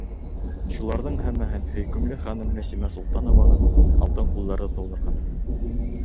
Шуларҙың һәммәһен һөйкөмлө ханым Рәсимә Солтанованың алтын ҡулдары тыуҙырған.